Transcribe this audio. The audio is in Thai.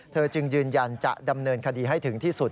จึงยืนยันจะดำเนินคดีให้ถึงที่สุด